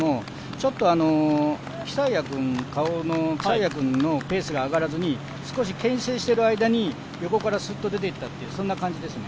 ちょっＫａｏのキサイサ君のペースが上がらずにけん制している間に横からスッと出ていったという感じですね。